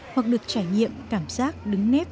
hoặc được trải nghiệm cảm giác đứng nếp